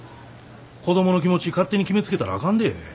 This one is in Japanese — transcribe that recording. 子供の気持ち勝手に決めつけたらあかんで。